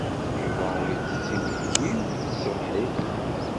Yuba ur yettett imekli n tṣebḥit.